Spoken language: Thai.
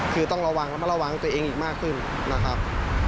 คือต้องระวังระมัดระวังตัวเองอีกมากขึ้นนะครับ